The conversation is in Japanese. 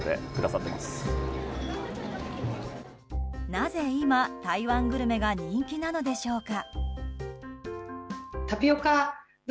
なぜ今、台湾グルメが人気なのでしょうか。